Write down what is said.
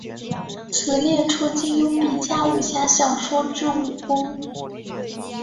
此列出金庸笔下武侠小说之武功。